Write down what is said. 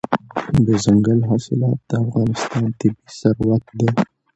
دځنګل حاصلات د افغانستان طبعي ثروت دی.